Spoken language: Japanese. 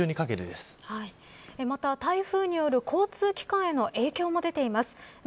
特にまた、台風による交通機関への影響も出ています。